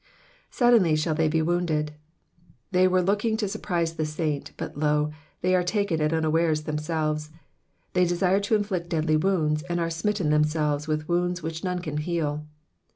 ^'Suddenly shall they be wo^mded.'''' They were looking to surprise the saint, but, lo ! they are taken at unawares themselves ; they desired to inflict deadly wounds, and aie smitten themselves with wounds which none can heal.